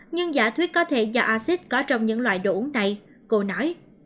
nhưng giả thuyết có thể do acid có trong những loại đồ uống này cô nói